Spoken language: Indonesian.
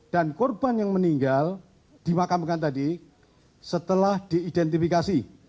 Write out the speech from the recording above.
dan korban yang meninggal dimakamkan tadi setelah diidentifikasi